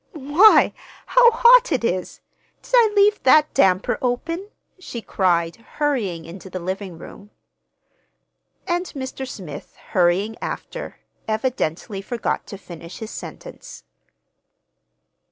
"Why, how hot it is! Did I leave that damper open?" she cried, hurrying into the living room. And Mr. Smith, hurrying after, evidently forgot to finish his sentence.